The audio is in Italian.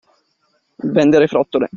Vendere frottole.